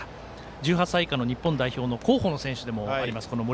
１８歳以下の日本代表の候補の選手でもあります